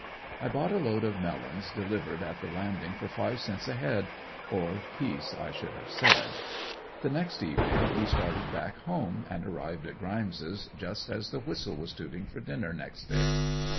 I bought a load of melons delivered at the landing for five cents a head or piece I should have said. The next evening we started back home, and arrived at Grimes' just as the whistle was tooting for dinner, next day.